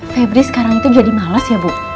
febri sekarang itu jadi males ya bu